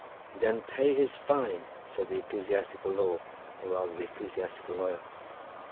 "Then pay his fine!" said the ecclesiastical law, or rather the ecclesiastical lawyer.